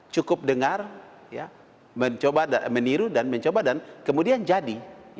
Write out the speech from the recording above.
cukup dengar mencoba meniru dan mencoba dan kemudian jadi